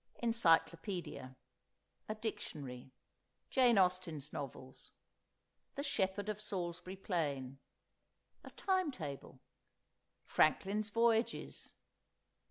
Encyclopædia. A Dictionary. Jane Austen's Novels. "The Shepherd of Salisbury Plain." A Time Table. Franklin's "Voyages."